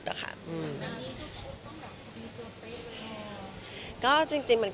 ทุกคนต้องไม่ตัวเป้นน่ะ